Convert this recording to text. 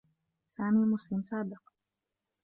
سامي مسلم سابق.